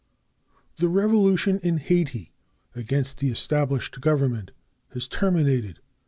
The revolution in Hayti against the established Government has terminated.